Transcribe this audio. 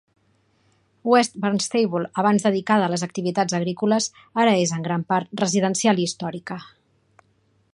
West Barnstable, abans dedicada a les activitats agrícoles, ara és en gran part residencial i històrica.